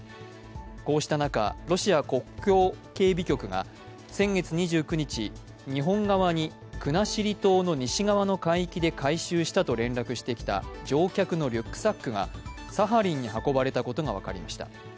こうした中、ロシア国境警備局が先月２９日、日本側に国後島の西側の海域で回収したと連絡してきた乗客のリュックサックがサハリンに運ばれたことが分かりました。